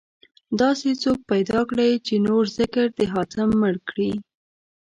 داسې څوک پيدا کړئ، چې نور ذکر د حاتم مړ کړي